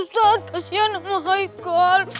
tak tak matahika